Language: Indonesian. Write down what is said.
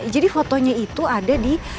jadi fotonya itu ada di